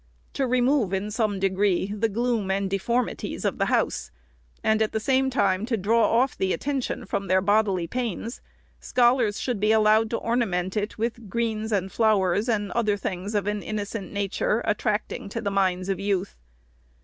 To remove, in some degree, the gloom and deform ities of the house, and at the same time to draw off the attention from their bodily pains, scholars should be al lowed to ornament it with greens and flowers, and other things of an innocent nature, attracting to the minds of youth.